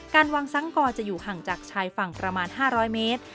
การวางสังกอจะอยู่ห่างจากชายฝั่งประมาณ๕๐๐เมตร